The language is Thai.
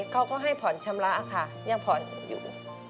เขาก็ให้ผ่อนชำระค่ะยังผ่อนอยู่